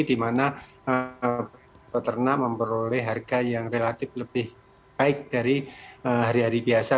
di mana peternak memperoleh harga yang relatif lebih baik dari hari hari biasa